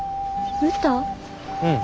うん。